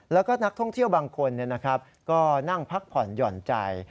แล้วก็นักท่องเที่ยวบางคนก็นั่งพักผ่อนหย่อนใจ